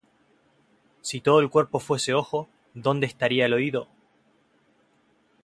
Si todo el cuerpo fuese ojo, ¿dónde estaría el oído?